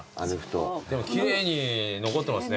でも奇麗に残ってますね。